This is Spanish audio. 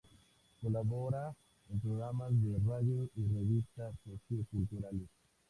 Colabora en programas de radio y revistas socio-culturales.